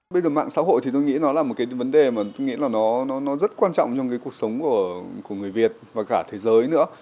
bây giờ mạng xã hội thì tôi nghĩ nó là một cái vấn đề mà tôi nghĩ là nó rất quan trọng trong cái cuộc sống của người việt và cả thế giới nữa